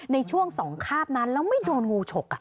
ในช่วง๒คาบนั้นแล้วไม่โดนงูฉก